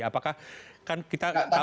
apakah kan kita tahu